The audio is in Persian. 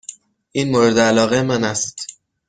این مورد علاقه من است.